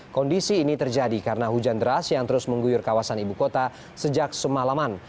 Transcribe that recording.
kondisi ini terjadi karena hujan deras yang terus mengguyur kawasan ibu kota sejak semalaman